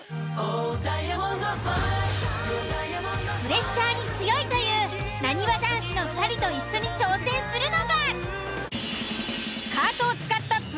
「ダイヤモンドスマイル」プレッシャーに強いというなにわ男子の２人と一緒に挑戦するのが！